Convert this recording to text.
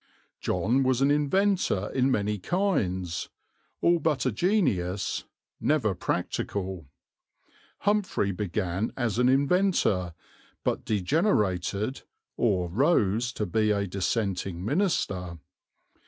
John was an inventor in many kinds, all but a genius, never practical. Humphrey began as an inventor, but degenerated or rose to be a dissenting minister.